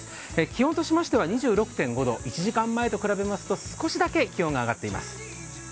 気温としては２６．５度、１時間前と比べますと、少しだけ気温が上がっています。